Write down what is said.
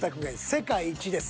世界一です。